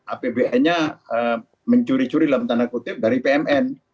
apbn nya mencuri curi dalam tanda kutip dari pmn